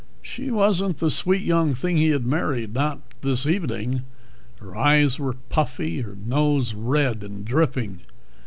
She wasn't the sweet young thing he had married, not this evening. Her eyes were puffy, her nose red and dripping.